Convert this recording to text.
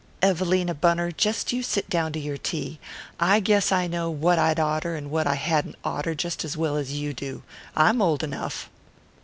"Evelina Bunner, just you sit down to your tea. I guess I know what I'd oughter and what I'd hadn't oughter just as well as you do I'm old enough!"